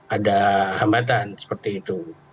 ada hambatan seperti itu